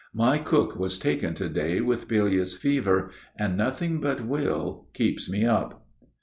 My cook was taken to day with bilious fever, and nothing but will keeps me up.